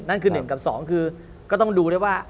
นั่นคือ๑กับ๒คือก็ต้องดูด้วยว่า